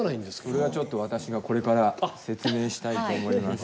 それはちょっと私がこれから説明したいと思います。